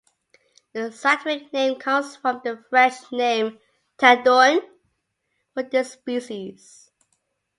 Its scientific name comes from the French name "Tadorne" for this species.